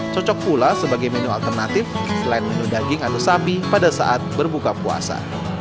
cocok pula sebagai menu alternatif selain menu daging atau sapi pada saat berbuka puasa